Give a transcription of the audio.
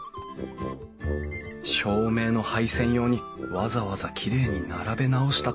照明の配線用にわざわざきれいに並べ直したと見た。